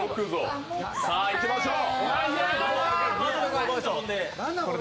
さあいきましょう。